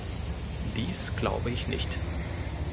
Dies glaube ich nicht.